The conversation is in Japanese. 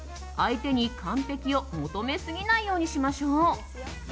相手に完璧を求めすぎないようにしましょう。